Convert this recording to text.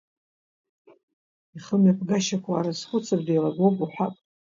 Ихымҩаԥгашьақәа уаарызхәыцыр, деилагоуп, уҳәап…